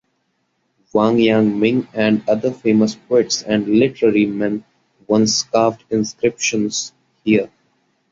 Wang Yangming and other famous poets and literary men once carved inscriptions here.